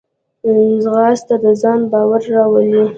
ځغاسته د ځان باور راولي